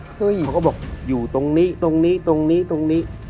เขาก็บอกอยู่ตรงนี้ตรงนี้ตรงนี้ตรงนี้